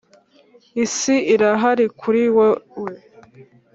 isi irahari kuri wewe